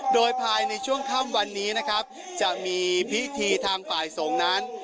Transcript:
โดยภายในช่วงค่ำวันนี้นะครับจะมีพิธีทางฝ่ายสงฆ์นั้น